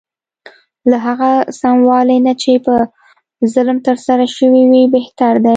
له هغه سموالي نه چې په ظلم ترسره شوی وي بهتر دی.